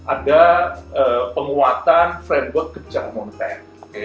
ada penguatan framework kebijakan moneter